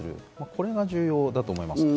これが重要だと思います。